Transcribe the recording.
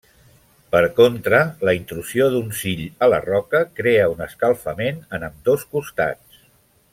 Per contra, la intrusió d'un sill a la roca crea un escalfament en ambdós costats.